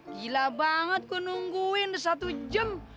gila banget gue nungguin dia satu jam